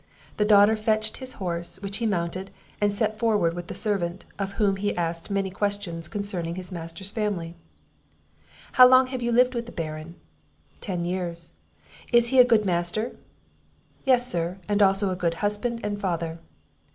The daughter fetched his horse, which he mounted, and set forward with the servant, of whom he asked many questions concerning his master's family. "How long have you lived with the Baron?" "Ten years." "Is he a good master?" "Yes, Sir, and also a good husband and father."